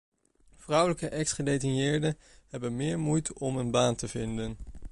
Vrouwelijke ex-gedetineerden hebben meer moeite om een baan te vinden.